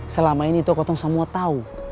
selama ini tuh kota semua tau